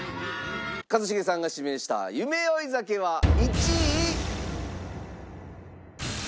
一茂さんが指名した『夢追い酒』は１位。